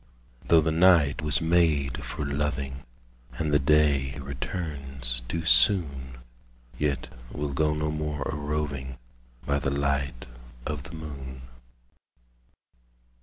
Though the night was made for loving, And the day returns too soon, Yet we'll go no more a roving By the light of the moon.